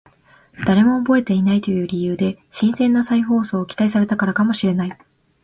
誰も覚えていないという理由で新鮮な再放送を期待されたからかもしれない